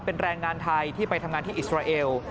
เป็นแรงงานไทยที่ไปทำงานที่อิสราเอล